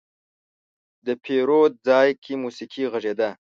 د پیرود ځای کې موسيقي غږېده.